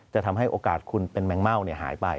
จะทำให้โอกาสคุณเป็นแมงเม่าหายไป